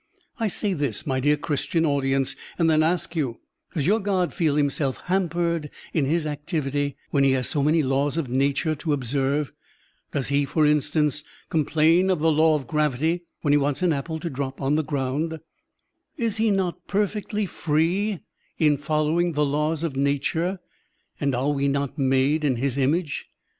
I say this, my dear Christian audience, and then ask you, "Does your God feel himself hampered in his activity when he has so many laws of nature to observe? Does he, for instance, complain of the law of Digitized by Google lOO SERMONS OF A BUDDHIST ABBOT gravity when he wants an apple to drop on the grotind?" Is he not perfectly free in following the laws of nature? and are we not made in his image?